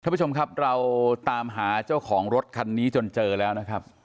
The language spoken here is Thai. ผู้ชมครับเราตามหาเจ้าของรถคันนี้จนเจอแล้วนะครับ